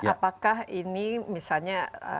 apakah ini misalnya